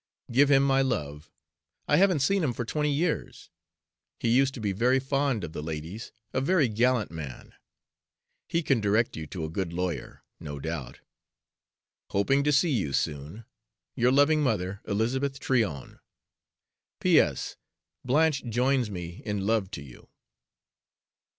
Give him my love. I haven't seen him for twenty years. He used to be very fond of the ladies, a very gallant man. He can direct you to a good lawyer, no doubt. Hoping to see you soon, Your loving mother, ELIZABETH TRYON. P. S. Blanche joins me in love to you.